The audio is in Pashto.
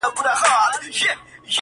اې تاته وايم دغه ستا تر سترگو بـد ايسو؛